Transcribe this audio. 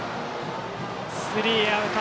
スリーアウト。